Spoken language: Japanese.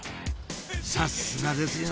さすがですよ